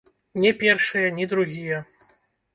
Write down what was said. Не першыя, ні другія.